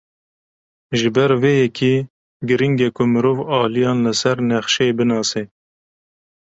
Ji ber vê yekê, girîng e ku mirov aliyan li ser nexşeyê binase.